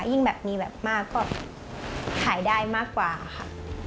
ยิ่งแบบมีแบบมากก็ขายได้มากกว่าค่ะ